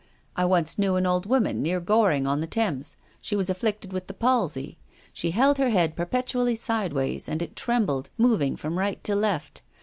I once knew an old woman near Gor ing on the Thames. She was afflicted with the palsy. She held her head perpetually sideways and it trembled, moving from right to left.